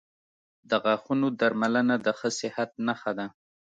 • د غاښونو درملنه د ښه صحت نښه ده.